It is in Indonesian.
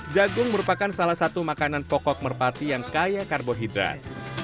jagung merupakan salah satu makanan pokok merpati yang kaya karbohidrat